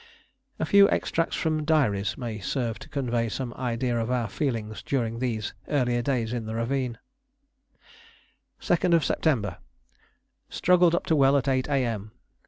A few extracts from diaries may serve to convey some idea of our feelings during these earlier days in the ravine: "2nd Sept. Struggled up to well at 8 A.M.